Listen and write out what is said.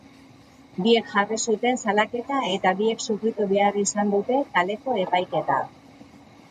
Biek jarri zuten salaketa eta biek sufritu behar izan dute kaleko epaiketa.